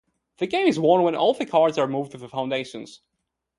The game is won when all the cards are moved to the foundations.